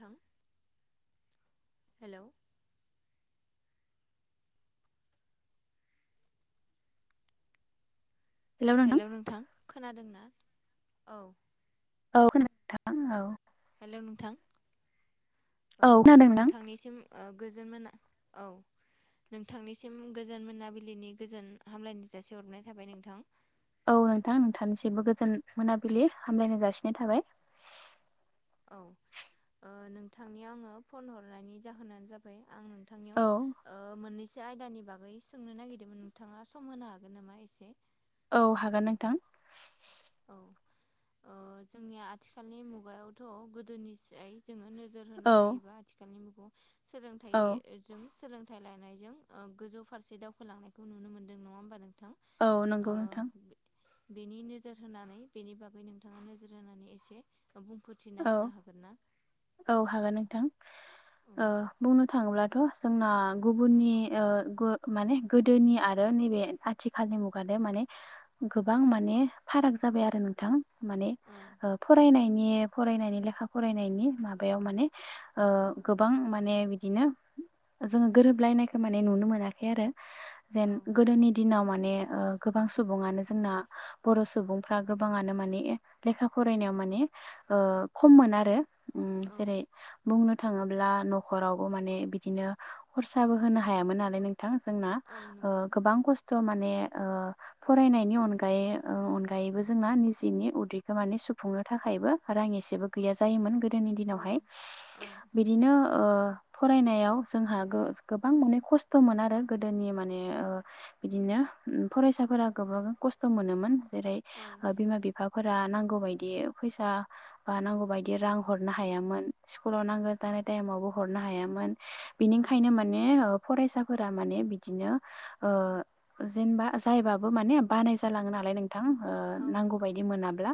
थां hello hello नोंथां खोनादोंना? औ। औ खोना [unintelligible] नोंथां औ। हेल' नोंथां ओ औ खोनादों नोंथां नोंथांनिसिम ओ गोजोन मोना औ नोंथांनिसिम गोजोन मोनाबिलिनि गोजोन हामलायनाय जासि हरनाय थाबाय नोंथां। औ नोंथां नोंथांनिसिमबो गोजोन मोनाबिलि हामलायनाय जासिनाय थाबाय। औ ओ नोंथांनियाव आङो फन हरनायनि जाहोनानो जाबाय आं औ नोंथांनियाव ओ मोननैसो आयदानि बागै सोंनो नागिरदोंमोन नोंथाङा सम होनो हागोन नामा एसे? औ हागोन नोंथां। औ ओ जोंनिया आथिखालनि मुगायावथ' गोदोनिस्राय जोङो नोजोर होना औ नायोबा आथिखालनि मुगायाव औ सोलोंथाइजों सोलोंथाइ लानायजों ओ गोजौ फारसे दावखोलांनायखौ नुनो मोनदों नङा होमबा नों औ नंगौ नोंथां। बेनि नोजोर होनानै बेनि बागै नोंथाङा नोजोर होनानै एसे। बुंफोरथिना औ होनो हागोन ना। औ हागोन नोंथां औ ओ बुंनो थाङोब्लाथ'। जोंना गुबुननि ओ माने गोदोनि आरो नैबे आथिखालनि मुगानो माने गोबां माने फाराग जाबाय आरो नोंथां माने औ ओ फरायनायनि फरायनायनि लेखा फरायनायनि माबायाव माने ओ गोबां माने बिदिनो जोङो गोरोबलायनायखौ माने नुनो मोनाखै आरो जेन गोदोनि दिनाव माने ओ गोबां सुबुङानो जोंना बर' सुबुंफ्रा गोबाङानो माने लेखा फरायनायाव माने ओ खममोन आरो उम औ जेरै बुंनो थाङोब्ला न'खरावबो माने बिदिनो खरसाबो होनो हायामोन नालाय नोंथां। जोंना औ ओ नंगौ गोबां खस्थ'। ओ माने ओ फरायनायनि अनगायै ओ अनगायैबो जोंना निजेनि उदैखौ माने सुफुंनो थाखायबो रां एसेबो गैया जायोमोन गोदोनि औ दिनावहाय औ बिदिनो ओ फरायनायाव जोंहा गोबां माने खस्थ'मोन आरो गोदोनि माने ओ बिदिनो फरायसाफोरा गोबां खस्थ' मोनोमोन। जेरै औ ओ बिमा बिफाफोरा नांगौ बायदि फैसा बा नांगौ बायदि रां हरनो हायामोन स्कुलाव औ नांगौ जानाय टाइमावबो हरनो हायामोन। औ बेनिखायनो माने ओ फरायसाफोरा माने बिदिनो ओ जेनेबा जायबाबो माने बानाय जालाङो नालाय नों थां ओ औ नंगौ नांगौबादि मोनाब्ला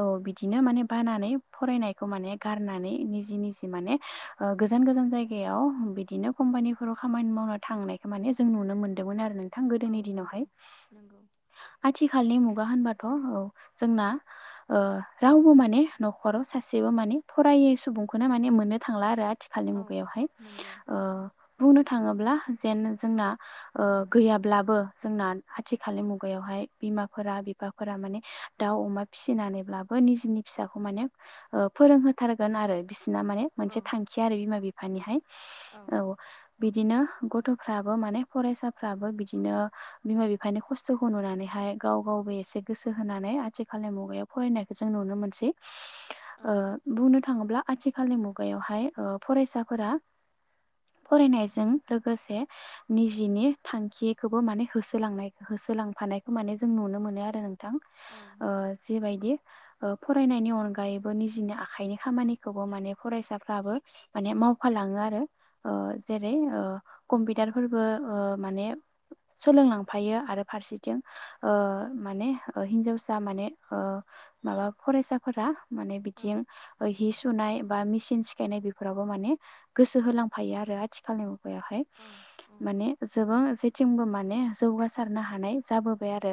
ओ बिदिनो माने बानानै फरायनायखौ माने गारनानै निजि निजि माने ओ गोजान गोजान जायगायाव बिदिनो कम्पानिफोराव खामानि मावनो थांनायखौ माने जों नुनो मोन्दोंमोन आरो। थां औ गोदोनि दिनावहाय नंगौ नंगौ आथिखालनि मुं गा होनबाथ' औ जोंना ओ रावबो माने न'खराव सासेबो माने फरायै सुबुंखौनो माने मोननो थांला आरो। थिखालनि औ मुगायावहाय नंगौ ओ बुंनो थाङोब्ला जेन जोंना ओ गैयाब्लाबो जोंना आथिखालनि मुगायावहाय बिमाफोरा बिफाफोरा माने दाउ अमा फिसिनानैब्लाबो निजिनि फिसाखौ माने ओ फोरोंहोथारगोन आरो बिसिना माने मोनसे औ थांखि आरो बिमा बिफानिहाय। औ बिदिनो गथ'फ्राबो माने फरायसाफ्राबो बिदिनो बिमा बिफानि खस्थ'खौ नुनानैहाय गाव गाव बो एसे गोसो होनानै आथिखालनि मुगायाव फरायनायखौ जों नुनो मोनसै। औ ओ बुंनो थाङोब्ला आथिखालनि मुगायावहाय ओ फरायसाफोरा फरायनायजों लोगोसे निजिनि थांखिखौबो माने होसोलांनाय हो सोलांफानायखौ माने जों नुनो मोनो आरो नोंथां औ ओ नोंथां जिबायदि ओ फरायनायनि अनगायैबो निजिनि आखाइनि खामानिखौबो माने फरायसाफ्राबो माने मावफालाङो। आरो ओ जेरै ओ कमपिउतार फोरबो ओ माने सोलोंलांफायो आरो फारसेथिं ओ माने ओ हिन्जावसा माने ओ माबा फरायसाफोरा माने औ बिथिं हि सुनाय बा मेसिन सिखायनाय बेफोरावबो माने गोसो होलांफायो आरो आथिखालनि बेवहाय औ औ माने जोबां जे थिंबो माने जौगासारनो हानाय जाबोबाय आरो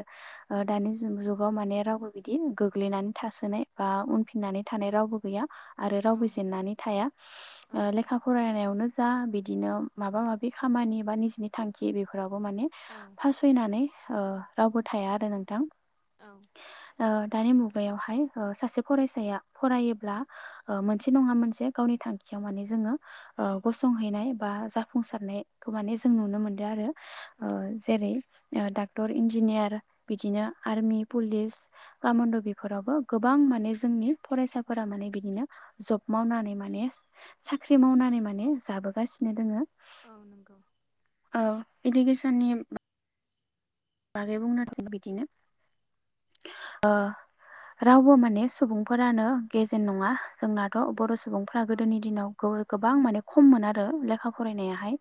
ओ दानि जुगाव माने रावबो बिदि गोग्लैनानै थासोनाय बा उनफिननानै थानाय रावबो गैया। आरो औ रावबो जेननानै थाया ओ लेखा फरायनायावनो जा बिदिनो माबा माबि खामानि बा निजिनि थांखि बेफोरावबो माने औ फासयनानै ओ रावबो थाया आरो नोंथां। औ। ओ दानि मुगा यावहाय ओ सासे फरायसाया फरायोब्ला ओ मोनसे नङा मोनसे गावनि थांखि माने जो नोङो ओ गसंहैनाय बा जाफुंसारनाय खौ माने जों नुनो मोनदों आरो औ ओ जेरै डाक्टर इन्जिनियार बिदिनो आर्मि पुलिस कामान्ड' बिदि- फोरावबो गोबां माने जोंनि फरायसाफोरा माने बिदिनो जब मावनानै माने सा- ख्रि मावनानै माने जाबोगासिनो दोङो औ नंगौ औ इडुकेसननि बागै बुंनो थाङ बिदिनो रावबो माने सुबुंफोरानो गेजेन नङा जोंनाथ' बर' सुबुंफ्रा औ गोदोनि दिनाव गोबां माने खममोन आरो लेखा फरायनायाहाय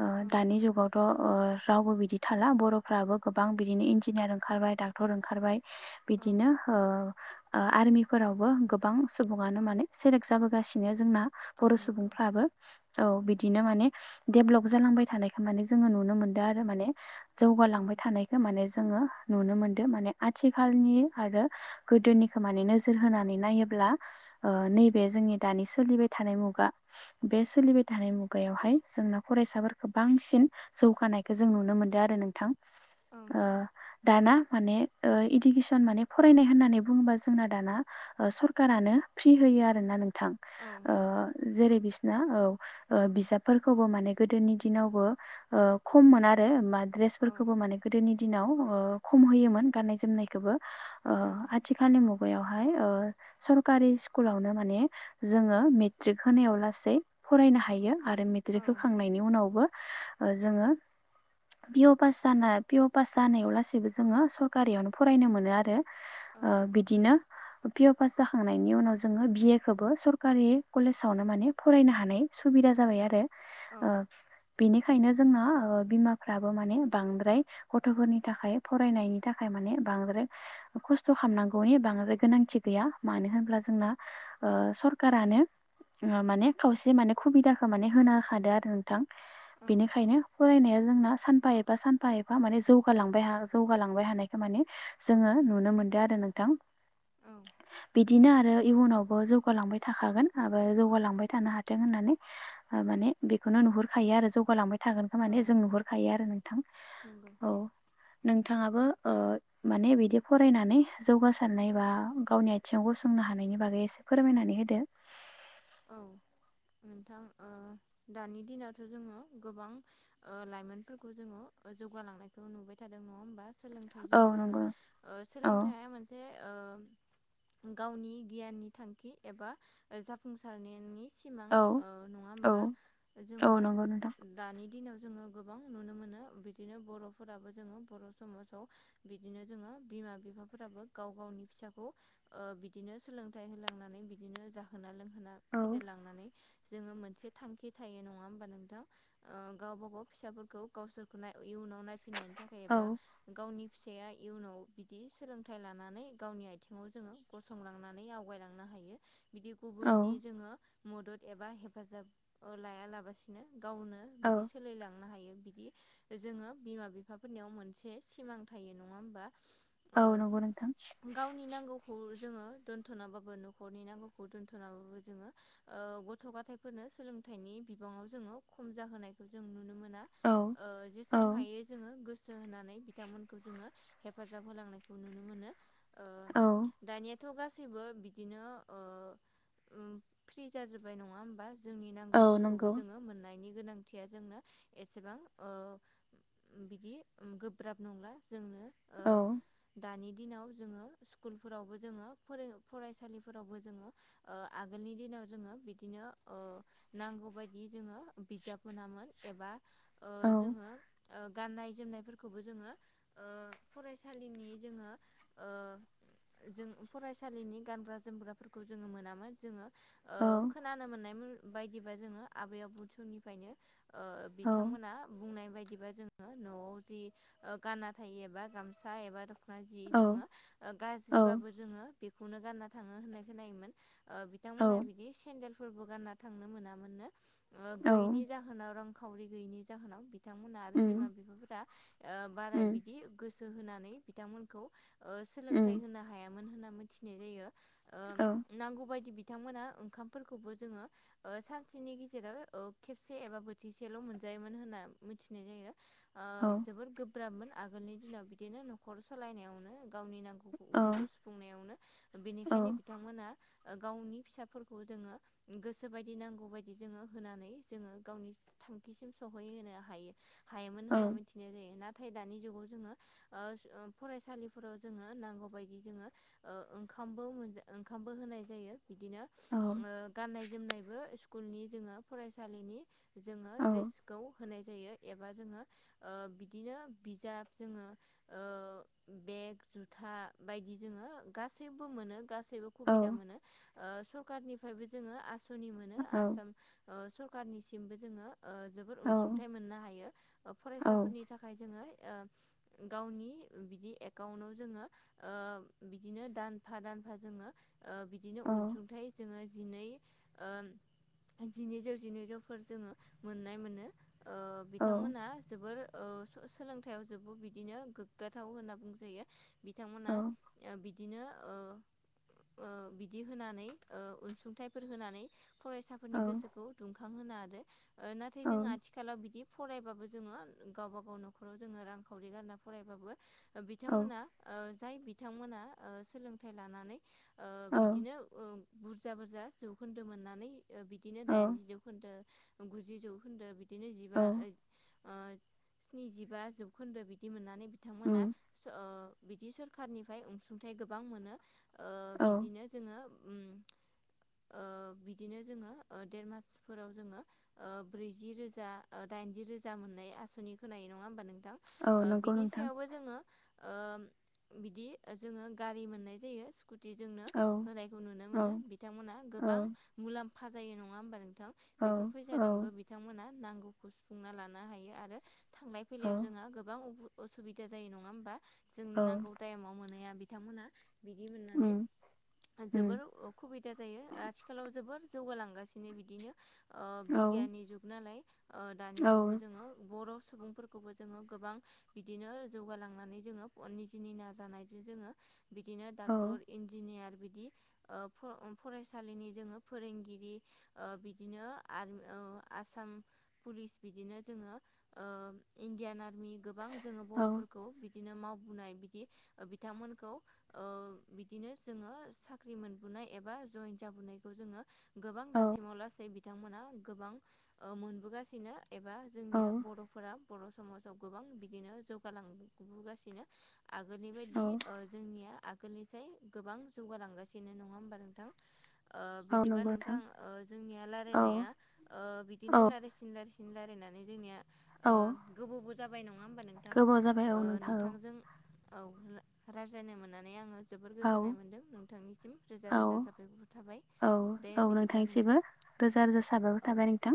ओ औ दानि जुगावथ' ओ रावबो बिदि थाला बर'- फ्राबो गोबां बिदिनो इन्जिनियार ओंखारबाय डाक्टर ओंखारबाय औ बिदिनो ओ ओ आर्मिफोरावबो गोबां सुबुङानो माने सेलेक्ट जाबोगासिनो जोंना औ बर' नंगौ सुबुंफ्राबो औ बि- दिनो माने देब्भेलप जालांबाय थानायखौ माने जोङो नुनो मोनदों आरो माने औ जौगालांबाय थानायखौ माने जोङो नुनो मोनदों माने आथिखालनि आरो गोदोनिखौ माने नोजोर होनानै नायोब्ल नैबे जोंनि दानि सोलिबाय थानाय मुगा बे सोलिबाय थानाय मुगायावहाय जोंना फरायसाफोरखौ बांसिन जौगानायखौ जों नुनो मोनदों आरो नोंथां। ओ औ नंगौ दाना माने इडुकेसन माने फरायनाय होननानै बुङोबा जोंना दाना सरखारानो फ्रि हो- यो आरोना नोंथां औ ओ नंगौ जेरै बिसिनि ना औ ओ बिजाबफोरखौबो माने गोदोनि दिनावबो ओ खम मोना आरो मा औ द्रेसफोर- खौबो माने गोदोनि दिनाव ओ खम होयोमोन गनायनाय जोमनायखौबो ओ औ आथिालनि मु- गायाव हाय ओ सरकारि सिकुलावनो माने जोंङो मेट्रिक होनायाव लासै फरायनो हायो आरो औ मेट्रिक होखांनायनि उनावबो ओ जोङो पिअ पास जानाय पिअ पास जानायाव लासैबो जोङो सरकारियावनो फरायनो मोनो आरो ओ बिदिनो पिअ पास जाखांनायनि उनाव जोङो बिए खौबो सरकारि कलेजावनो माने फरायनो हानाय सुबिदा जाबाय आरो औ ओ बेनिखायनो जोंना बिमाफ्राबो माने बांद्राय गथ'फोरनि थाखाय फरायनायनि थाखाय माने बांद्राय खस्थ' खालामनांगौनि बांद्राय गोनांथि गैया मानो होनब्ला जोंना ओ सरखारानो ओ माने खावसे माने खुबिदाखौ माने होनो होखादों आरो नोंथां औ बेनिखायनो फरायनाया जोंना सानफा ए- फा सानफा एफा माने जौगालांबाय जौगालांबाय हानायखौ माने जोङो नुनो मोनदों आरो नोंथां औ बिदिनो आरो इयुनावबो जौगालांबाय थाखागोन आरो जौगालांबाय थानो हाथों होननानै ओ माने बेखौनो नुहुरखायो आरो जौगालांबाय थागोनखौ माने जों नुहुरखायो आरो नों नांगौ नोंथाङाबो ओ माने बिदि फरायनानै जौगासारनाय बा गावनि आथिङाव गसंनाय हानायनि बागै एसे फोरमायनानै होदो औ नोंथां ओ दानि दिनावथ' जोङो गोबां ओ लाइमोनफोरखौ जोङो जौगालांनायखौ नुबाय थादों नङा होमबा सोलोंथाइजों औ जोङो नंगौ ओ औ सोलोंथायाइा मोनसे ओ गावनि गियाननि थांखि एबा जाफुंसारनायनि सिमां औ ओ नङा औ हबा जोङो औ नंगौ नोंथां दानि दिनाव जोङो गोबां नुनो मोनो बिदिनो बर'फोराबो जोङो बर' समाजाव बिदिनो जोङो बिमा बिफाफोराबो गाव गावनि फिसाखौ ओ बिदिनो सोलोंथाइ होलांनानै बिदिनो जाहोना लोंहो ना औ फेदेरलांनानै जोङो मोनसे थांखि थायो नङा होमबा नोंथां ओ गावबा गाव फिसाफोरखौ गावसोरखौ नाय इयुनाव नायफिननायनि थाखाय एबा औ गावनि फिसाया इयुनाव बिदि सोलोंथाइ लानानै गावनि आथिङाव जोङो गसंलांनानै आवगायलांनो औ [inaudible] गावनो औ बिदि सोलायलांनो हायो [inaudible] औ ओ नंगौ नोंथां [inaudible] ओ नाबो जोङो गथ' गथायफोरनो सोलोंथाइनि बिबाङाव जोङो खम जाहोनायखौ जों नुनो मोनो औ जेसेबां ओ औ हायो जोङो गोसो होनानै बिथांमोनखौ जोङो हेफाजाब होलांनायखौ नुनो मोनो औ दानिया थ' गासैबो बिदिनो फ्रि जाजोबबाय नङा होमबा जोंनि औ नांगौफोरखौबो नंगौ जोङो मोननायनि गोनांथिया जोंनो एसेबां बिदि गोब्राब नंला [inaudible] औ [inaudible] [inaudible] ओ औ जोङो ओ गाननाय जोमनायफोरखौबो जोङो ओ फरायसालिनि जोङो ओ जों फरायसालिनि गानग्रा जोमग्राफोरखौ जोङो मोनामोन ज औ खोन मोननाय बायदिबा जोङो आबै आबौ समनिफ्रायनो ओ औ बिथांमोना बुंनाय बायदि बिदिबा जोङो न'आव जि गाना थायो एबा गामसा एबा जि जोङो औ गाज्रिबाबो जोङो बेखौनो गानना थाङो होननाय खोनायोमोन ओ औ बिथांमोनहा बिदि सेन्देलफोरबो गानना थांनो मोनामोननो औ गैयिनि जाहोनाव रां निखावरि गैयैनि जाहोनाव बिथांमोनहा आरो बिमा उम बिफाफोरा ओ बारा उम बिदि गोसो होनानै बिथांमोनखौ उम सोलोंथाइ होनो हायामोन होनना मिथिनाय जायो औ नांगौबायायदि बिथांमोना ओंखामफोरखौबो जोङो सानसेनि गेजेराव खेबसे एबा बोथिसेल' मोनजायोमोन होनना मिथिनाय जायो औ ओ जोबोर गोब्राबमोन आगोलनि दिनाव बिदिनो न'खर सालायनायावनो गावनि नांगौ औ उदैखौ सुफुंनायावनो औ बेनिखायनो बिथांमोना गावनि फिसाफोरखौ जोङो गोसो बायदि नांगौ बायदि जोङो होनानै जोङो गावनि थांखिसिम सहै होनोनो हायो हायोमोन औ होनना मिथिनाय जायो नाथाय नाथाय दानि जुगाव जोङो ओ फरायसालिफोराव जोङो नांगौबायायदि जोङोओं ओंखाम ओंखामबो होनाय जायो बिदिनो औ गाननाय जोमनायबो स्कुलनि जोङो फरायसालिनि जोङो औ द्रेसखौ [unintelligible] जायो एबा जोङो बिदिनो बिजाब जोङो [inaudible] [inaudible] औ औ सरकारनिसिमबो जोङो जोबोोर अनसुंथाइ मोननो हायो फरायसाफोरनि थाखाय जोङो आ गावनि बिदि एकाउन्टाव जोङो बिदिनो दानफा दानफा जोङो ओ बिदिनो अनसुंथाइ जोङो जिन जिनैजौ जिनैजौफोर जोङो मोननाय मोनो ओ बिथांमोना जोबोर ओ सोलोंथायाइाव जोबो बिदिनो गोग्गाथाव होनना बुंजायो [inaudible] औ [inaudible] ओ नाथाय जों आथिखालाव बिदि फरायबाबो जोङो गावब गाव न'खराव जोङो रांखावरि गारना फरायबाबो बिथांमोना ओ जाय बिथांमोना ओ सोलोंथाइ लानानै ओ औ बिदिनो ओ बुरजा बुरजा जौखोन्दो मोननानै ओ बिदिनो दाइन जि जौखोन्दो गुजि जौखोन्दो बिदिनो जिबा ओ औ ओ स्निजिबा जौखोन्दो बिदि मोननानै बिथांमोना उम स ओ बिदि सोरखारनिफ्राय अनसुंथाइ गोबां मोनोओ औ बिदिनो नो उम ओ बिदिनो जोङो ओ देर मासफोराव जोङो ओ ब्रैजि रोजा ओ दाइनजि रोजा मोन दायो आसनि खोननाय नङा होनबा नोंथां? औ ओ नंगौ बिनि नोंथां सायावबो जोङो ओ बिदि जोङो गारि मोननाय जायो स्कुटिजोंनो औ नुनो औ मोनो बिथांमोनहा औ गोबां मुलाम्फा जायो नङा होनबा नों थां औ बेफोर फैादोंबो बिथांमोनहा नांगौखौ सुफुंना लानो हायो आरो थांलाय औ फैलायाव जोंहा गोबां असुबिदा जायो नङा होमबा जों औ नांगौ टाइमाव मोनाया बिद बिथांमोना बिदि मोननानै उम उम जोबोर उखुबिदा जायो आथिखालाव जोबोर जौगालांगासिनो बिदिनो। ओ औ बिगियाननि जुग नालाय ओ दानि जुगाव औ जोङो बर' सुबुंफोरखौबो जोङो गोबां बिदिनो जौगालांनानै जोङो निजिनि नाजानायजों जोङो बिदिनो औ डाक्टर इन्जिनियार बिदि ओ फ-फरायसालिनि जोङो फोरोंगिरि ओ बिदिनो ओ आर आसाम उम पुलिस बिदिनो ओ जोङो इण्डियान आर्मि गोबां जोङो औ बर'फोरखौ बिदिनो मावबोनाय बिदि बिथांमोनखौ ओ बिदिनोओ जोङो साख्रि मोनबोनाय एबा जयन जाबोनायखौ जोङो गोबां औ दासिमाव लासै बिथांमोना गोबां ओ मोनबोगासिनो एबा औ जोंनिया बर'फोरा बर' समाजाव गोबां बिदिनो जौगालांबोगासिनो। आगोलनि औ बायदि ओ जोंनिया आगोलनिफ्रायाय गोबां जौगालांगास सिनो नङा होमबा नोंथां? ओ औ बिदिबा नंगौ नोंथां ओ जोंनिया औ रायजलायनाया ओ औ बिदिनो लारायसिन लारायनायसि सिन रायलायनानै जोंनिया औ। हाबाय नङा होनबा नोंथां? गोबाव जाबाय ओ औ नोंथां औ नोंथांजों औ रायज्लायनो मोननानै आङो जोबोर औ गोजोननाय मोन्दों नों नोंथांनिसिम रोजा औ रोजा साफायखरर थाबाय औ दे औ बिदिब्ला नोंथां नोंथांनिसिबो रोजा रोजा साबायखर औ। थाबाय नोंथां